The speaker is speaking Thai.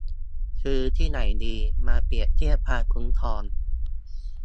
ซื้อที่ไหนดี มาเปรียบเทียบความคุ้มครอง